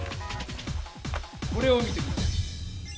これを見て下さい。